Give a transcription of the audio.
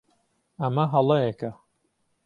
ئەمە هەڵەیەکە.